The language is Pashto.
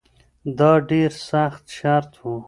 دا یو ډیر سخت شرط و.